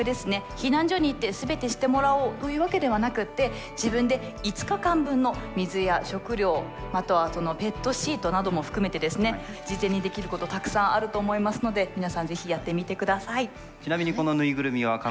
避難所に行って全てしてもらおうというわけではなくって自分で５日間分の水や食料またはペットシートなども含めて事前にできることたくさんあると思いますので皆さんぜひやってみて下さい。